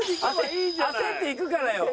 焦って行くからよ。